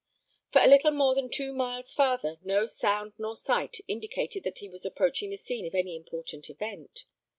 For a little more than two miles farther, no sound nor sight indicated that he was approaching the scene of any important event.